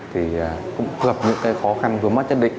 thì cũng gặp những khó khăn vừa mắt chất định